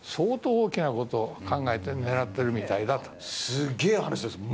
すっげえ話ですね。